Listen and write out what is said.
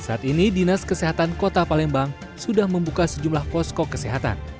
saat ini dinas kesehatan kota palembang sudah membuka sejumlah posko kesehatan